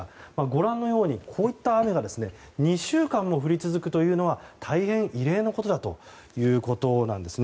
ご覧のように、こういった雨が２週間も降り続くのは大変異例のことだということなんです。